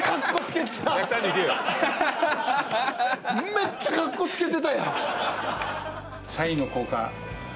めっちゃかっこつけてたやん。